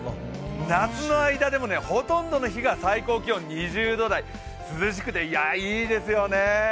夏の間でもほとんどの日が最高気温２０度台、涼しくていいですよね。